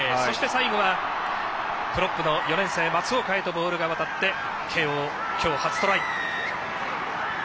最後はプロップ、４年生の松岡へとボールが渡って慶応、今日初トライ。